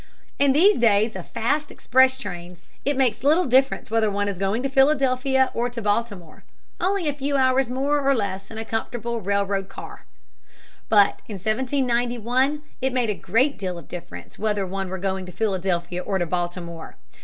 In these days of fast express trains it makes little difference whether one is going to Philadelphia or to Baltimore only a few hours more or less in a comfortable railroad car. But in 1791 it made a great deal of difference whether one were going to Philadelphia or to Baltimore.